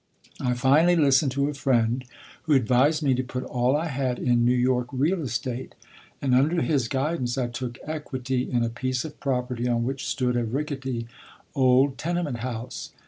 I finally listened to a friend who advised me to put all I had in New York real estate; and under his guidance I took equity in a piece of property on which stood a rickety old tenement house.